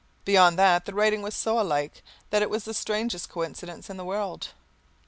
Beyond that the writing was so alike that it was the strangest coincidence in the world.